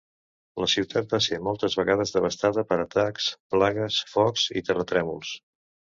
La ciutat va ser moltes vegades devastada per atacs, plagues, focs i terratrèmols.